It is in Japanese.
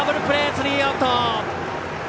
スリーアウト。